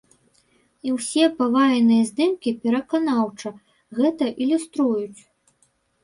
І ўсе паваенныя здымкі пераканаўча гэта ілюструюць.